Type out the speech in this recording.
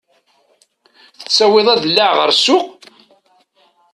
Tettawiḍ aḍellaɛ ɣer ssuq?